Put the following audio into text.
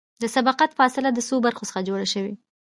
د سبقت فاصله د څو برخو څخه جوړه شوې ده